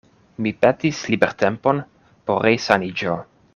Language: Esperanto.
Mi petis libertempon por resaniĝo.